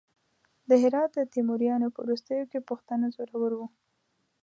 د هرات د تیموریانو په وروستیو کې پښتانه زورور وو.